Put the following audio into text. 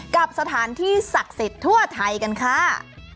กับสถานที่ศักดิ์สิทธิ์ทั่วไทยกันค่ะ